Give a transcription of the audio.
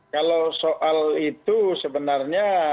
kalau soal itu sebenarnya